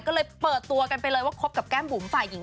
ก็เลยเปิดตัวกันไปเลยว่าคบกับแก้มบุ๋มฝ่ายหญิง